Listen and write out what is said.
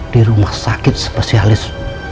di rumah sakit spesialis